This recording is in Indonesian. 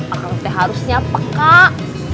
akar teh harusnya apa kak